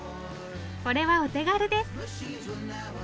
これはお手軽です。